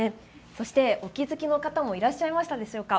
そしてお気付きの方もいらっしゃいましたでしょうか。